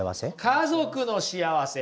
家族の幸せ！